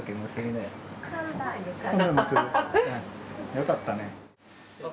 よかったね。